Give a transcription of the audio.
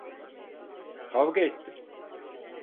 Kavga ettim.